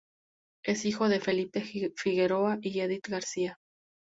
Es hijo de Felipe Figueroa y Edith García.